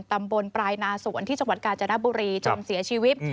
ตำบลปลายนาสวนที่จังหวัดกาญจนบุรีจนเสียชีวิต